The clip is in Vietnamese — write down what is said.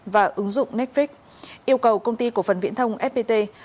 và ứng dụng netflix yêu cầu công ty của phần viễn thông fpt